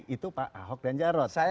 itu pak ahok dan jarot